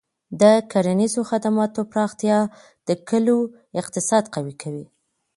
د کرنیزو خدماتو پراختیا د کلیو اقتصاد قوي کوي.